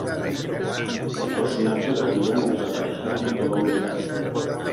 Els personatges arriben i desapareixen a tota velocitat.